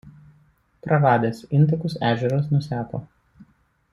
Praradęs intakus ežeras nuseko.